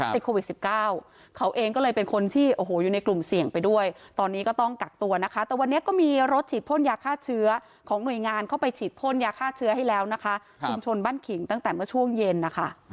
ติดโควิด๑๙เขาเองก็เลยเป็นคนที่โอ้โหอยู่ในกลุ่มเสี่ยงไปด้วยตอนนี้ก็ต้องกักตัวนะคะแต่วันนี้ก็มีรถฉีดพ่นยาฆ่าเชื้อของหน่วยงานเข้าไปฉีดพ่นยาฆ่าเชื้อให้แล้วนะคะชุมชนบ้านขิงตั้งแต่เมื่อช่วงเย็นนะคะ